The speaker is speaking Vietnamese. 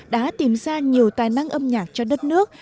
đã tìm ra nhiều tài năng âm nhạc cho đất nước